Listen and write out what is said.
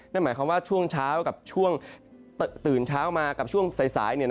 นั่นหมายความว่าช่วงเช้ากับช่วงตื่นเช้ามากับช่วงสาย